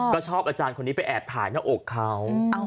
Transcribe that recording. ก็ชอบอาจารย์คนนี้ไปแอบถ่ายหน้าอกเขา